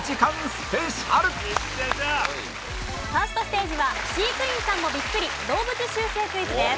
ファーストステージは飼育員さんもびっくり動物習性クイズです。